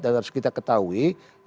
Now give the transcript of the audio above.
dan harus kita ketahui